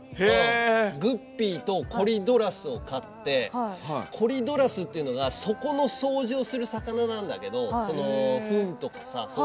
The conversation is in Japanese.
グッピーと、コリドラスを飼ってコリドラスっていうのが底の掃除をする魚なんだけど、ふんとか。